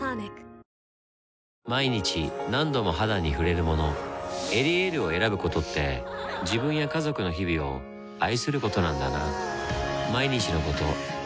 毎日何度も肌に触れるもの「エリエール」を選ぶことって自分や家族の日々を愛することなんだなぁ